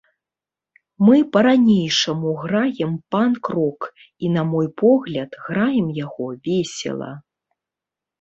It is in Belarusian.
Мы па-ранейшаму граем панк-рок і, на мой погляд, граем яго весела.